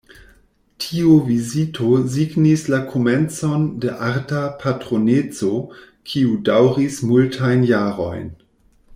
Tiu vizito signis la komencon de arta patroneco, kiu daŭris multajn jarojn.